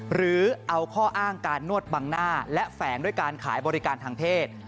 หรือเอาข้ออ้างการนวดบังหน้าและแฝงด้วยการขายบริการทางเพศ